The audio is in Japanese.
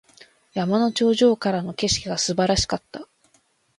山の頂上からの景色が素晴らしかった。